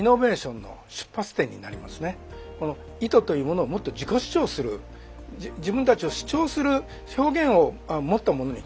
これが糸というものをもっと自己主張する自分たちを主張する表現を持ったものに変えていこうと。